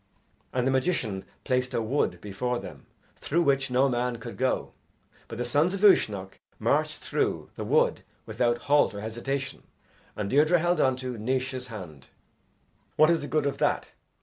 And the magician placed a wood before them through which no man could go, but the sons of Uisnech marched through the wood without halt or hesitation, and Deirdre held on to Naois's hand. "What is the good of that?